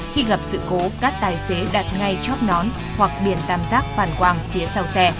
khi gặp sự cố các tài xế đặt ngay chóp nón hoặc biển tam giác phản quang phía sau xe